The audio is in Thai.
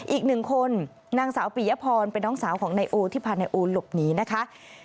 อีกหนึ่งคนนางสาวปียพรเป็นน้องสาวของนายโอที่พานายโอหลบหนีนะคะ